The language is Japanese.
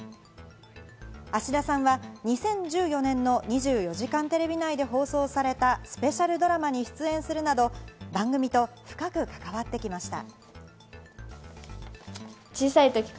芦田さんは２０１４年の『２４時間テレビ』内で放送されたスペシャルドラマに出演するなど、番組と深く関わってきました。